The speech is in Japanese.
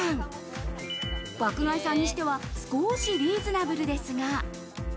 爆買いさんにしては少しリーズナブルですが。